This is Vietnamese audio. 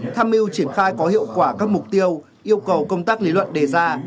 tham mưu triển khai có hiệu quả các mục tiêu yêu cầu công tác lý luận đề ra